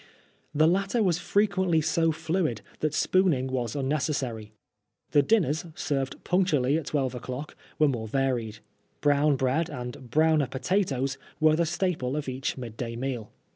The latter was frequently so fluid that spooning was unnecessary. The dinners, served punctually at twelve o'clock, were more varied. Brown bread and browner potatoes were the staple of each mid day meal.